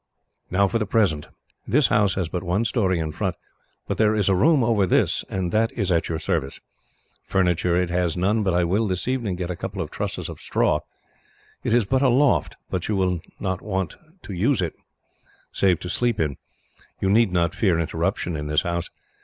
"Now for the present. This house has but one storey in front, but there is a room over this, and that is at your service. Furniture it has none, but I will, this evening, get a couple of trusses of straw. It is but a loft, but you will not want to use it, save to sleep in. You need not fear interruption in this house.